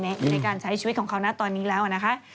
ในการใช้ชีวิตของเขานะตอนนี้แล้วนะคะ